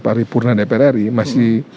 pari purna dpr ri masih